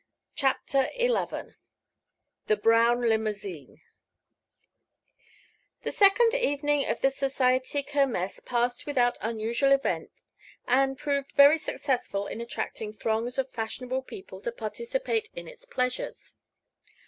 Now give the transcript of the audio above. CHAPTER XI THE BROWN LIMOUSINE The second evening of the society Kermess passed without unusual event and proved very successful in attracting throngs of fashionable people to participate in its pleasures.